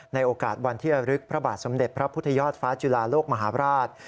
ในโอกาสวันที่ระลึกพระบาทสมเด็จพระพุทธยอดฟ้าจุฬาโลกมหาบราช